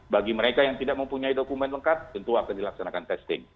bagi mereka yang tidak mempunyai dokumen lengkap tentu akan dilaksanakan testing